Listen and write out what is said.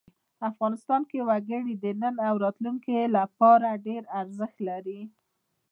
افغانستان کې وګړي د نن او راتلونکي لپاره ډېر ارزښت لري.